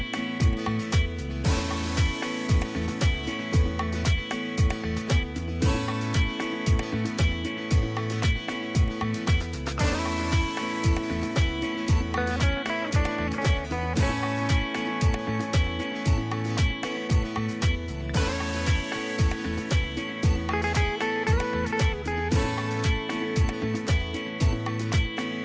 โปรดติดตามตอนต่อไป